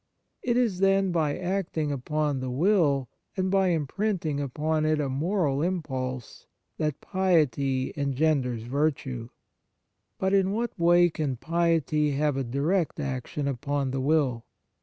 It is, then, by acting upon the will, and by im 106 The Fruits of Piety printing upon it a moral impulse, that piety engenders virtue. But in what way can piety have a direct action upon the will